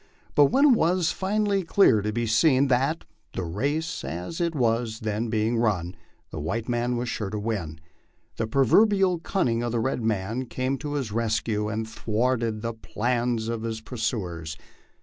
But when it was finally clear to be seen that, in the race as it was then being run, the white man was sure to win, the proverbial cunning of the red man came to his rescue and thwarted the plans of his pur suers.